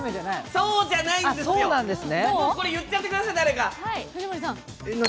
そうじゃないんですよ、これ言っちゃってください、誰か。